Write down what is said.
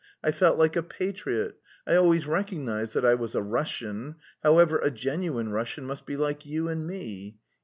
I felt like a patriot. I always recognised that I was a Russian, however... a genuine Russian must be like you and me.